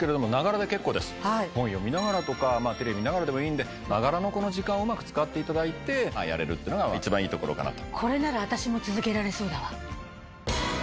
本読みながらとかテレビ見ながらでもいいんでながらの時間をうまく使っていただいてやれるっていうのが一番いいところかなと。